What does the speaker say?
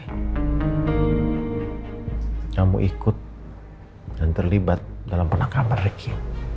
kamu ikut dan terlibat dalam penakaman ricky